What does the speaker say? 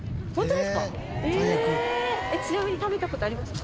ちなみに。